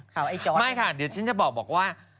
ข้าวไอ้จ๊อตเนี่ยะไม่ค่ะเดี๋ยวฉันจะบอกว่า